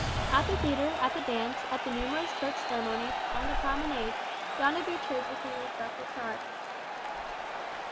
At the theatre, at the dance, at the numerous Church ceremonies, on the promenade, Doña Beatriz was his especial charge.